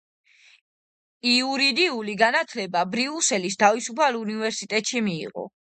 იურიდიული განათლება ბრიუსელის თავისუფალ უნივერსიტეტში მიიღო.